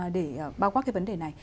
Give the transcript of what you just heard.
để bao quát cái vấn đề này